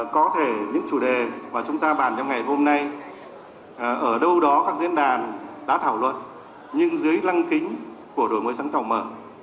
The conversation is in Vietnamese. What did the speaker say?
có thể những chủ đề mà chúng ta bàn trong ngày hôm nay ở đâu đó các diễn đàn đã thảo luận nhưng dưới lăng kính của đổi mới sáng tạo mở